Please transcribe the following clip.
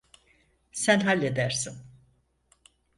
Sen halledersin.